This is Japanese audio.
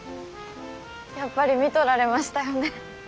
やっぱり見とられましたよね。